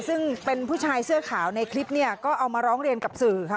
ซึ่งเป็นผู้ชายเสื้อขาวในคลิปเนี่ยก็เอามาร้องเรียนกับสื่อค่ะ